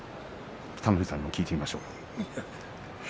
北の富士さんにも聞いてみましょう。